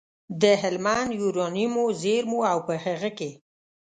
د هلمند یورانیمو زېرمو او په هغه کې